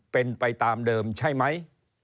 เป็นไปตามเดิมใช่ไหม